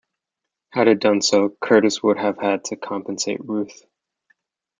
Had it done so, Curtiss would have had to compensate Ruth.